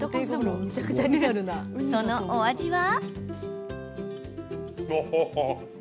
そのお味は？